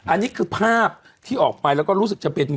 อันนี้คือภาพที่ออกไปแล้วก็รู้สึกจะเป็น